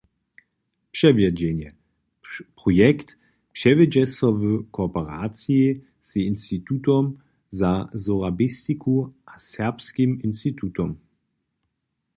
Přewjedźenje: Projekt přewjedźe so w kooperaciji z Institutom za sorabistiku a Serbskim institutom.